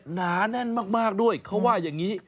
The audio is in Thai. หนาแน่นมากด้วยเขาว่าอย่างนี้